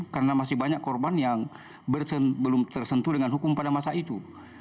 karena masih banyak korban yang belum tersentuh dengan hukum pada masa itu